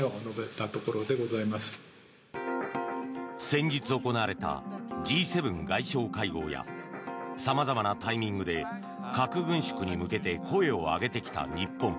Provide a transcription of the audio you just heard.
先日行われた、Ｇ７外相会合やさまざまなタイミングで核軍縮に向けて声を上げてきた日本。